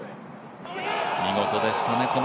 見事でしたね